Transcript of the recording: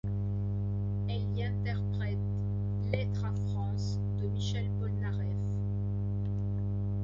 Elle y interprète Lettre à France, de Michel Polnareff.